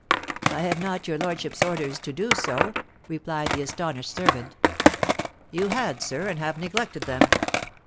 "I had not your lordship's orders to do so," replied the astonished servant. "You had, sir, and have neglected them!"